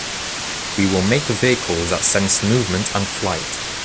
We will make vehicles that sense movement and flight